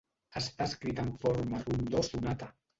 Està escrit en forma rondó-sonata.